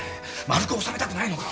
丸く収めたくないのか？